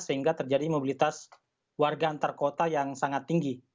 sehingga terjadi mobilitas warga antar kota yang sangat tinggi